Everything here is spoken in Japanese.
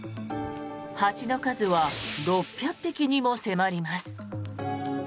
蜂の数は６００匹にも迫ります。